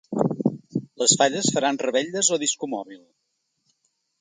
Les falles faran revetlles o discomòbil?